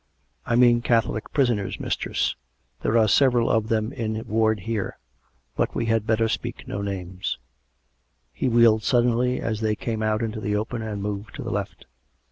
" I mean Catholic prisoners, mistress. There are several of them in ward here, but we had better speak no names." He wheeled suddenly as they came out into the open and moved to the left.